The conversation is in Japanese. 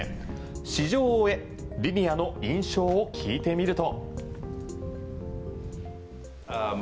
試乗を終えリニアの印象を聞いてみると。